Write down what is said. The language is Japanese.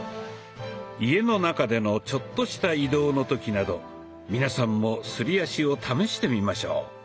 家の中でのちょっとした移動の時など皆さんもすり足を試してみましょう。